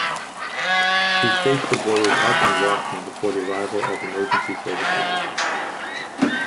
He states the boy was up and walking before the arrival of emergency services.